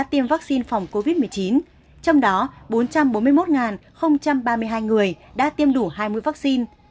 trong đó bốn trăm bốn mươi một ba mươi hai người đã tiêm đủ hai mươi vaccine